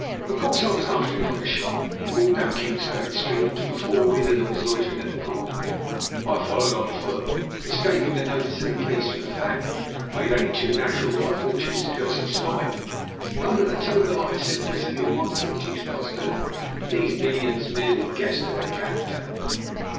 Of course I was after him like a shot. He walked down Kingsgate Street and took a four wheeler that was loitering at the corner. I followed on foot, escaping the notice of the police from the fact, made only too natural by Fortune's cursed spite, that under the toga like simplicity of Montague Tigg's costume these minions merely guessed at a cab tout.